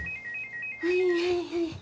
はいはいはい。